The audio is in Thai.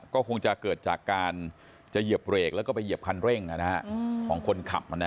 ก็คงจะเกิดจากการจะเหยียบเบรกแล้วก็ไปเหยียบคันเร่งของคนขับ